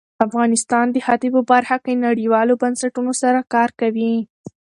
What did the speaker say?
افغانستان د ښتې په برخه کې نړیوالو بنسټونو سره کار کوي.